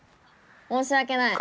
申し訳ない！